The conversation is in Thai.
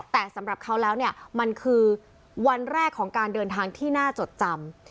แต่สำหรับเขาแล้วเนี่ยมันคือวันแรกของการเดินทางที่น่าจดจำ